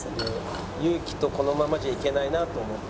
「ユウキとこのままじゃいけないなと思って」。